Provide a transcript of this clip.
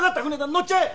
乗っちゃえ！